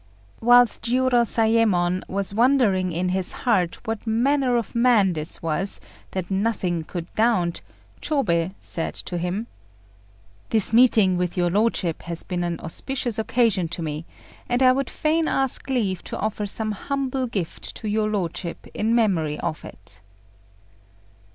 Whilst Jiurozayémon was wondering in his heart what manner of man this was, that nothing could daunt, Chôbei said to him "This meeting with your lordship has been an auspicious occasion to me, and I would fain ask leave to offer some humble gift to your lordship in memory of it.